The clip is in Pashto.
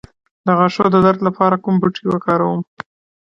د غاښونو د درد لپاره کوم بوټی وکاروم؟